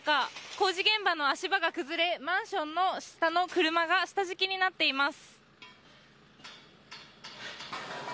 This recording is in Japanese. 工事現場の足場が崩れマンションの下の車が下敷きになっています。